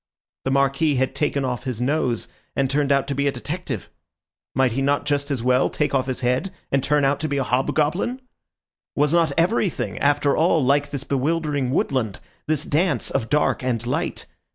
The Marquis had taken off his nose and turned out to be a detective. Might he not just as well take off his head and turn out to be a hobgoblin? Was not everything, after all, like this bewildering woodland, this dance of dark and light?